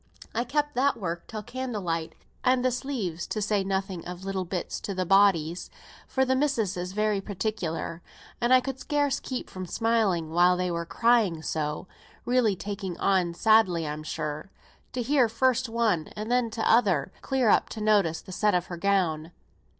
I kept that work till candlelight; and the sleeves, to say nothing of little bits to the bodies; for the missis is very particular, and I could scarce keep from smiling while they were crying so, really taking on sadly I'm sure, to hear first one and then t'other clear up to notice the sit of her gown.